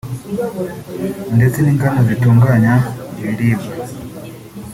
ndetse n’inganda zitunganya ibiribwa